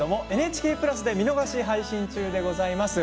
ＮＨＫプラスで見逃し配信中でございます。